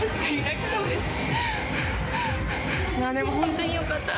でもホントによかった。